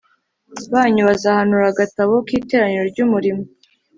banyu bazahanura Agatabo k Iteraniro ry Umurimo